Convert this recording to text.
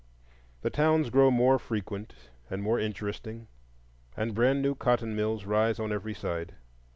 The towns grow more frequent and more interesting, and brand new cotton mills rise on every side.